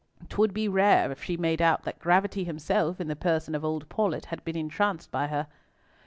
'Twould be rare if she made out that Gravity himself, in the person of old Paulett, had been entranced by her."